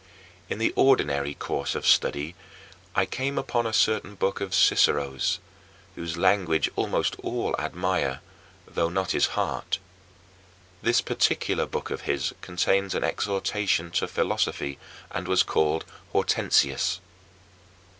In the ordinary course of study I came upon a certain book of Cicero's, whose language almost all admire, though not his heart. This particular book of his contains an exhortation to philosophy and was called Hortensius.